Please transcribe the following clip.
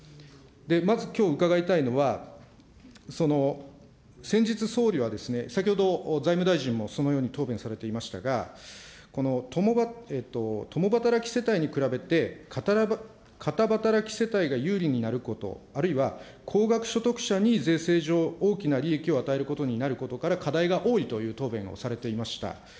まずきょう伺いたいのは、その先日総理は、先ほど財務大臣もそのように答弁されていましたが、この共働き世帯に比べて、片働き世帯が有利になること、あるいは高額所得者に税制上、大きな利益を与えることになることから、課題が多いという答弁をされていました。